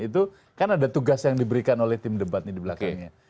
itu kan ada tugas yang diberikan oleh tim debatnya di belakangnya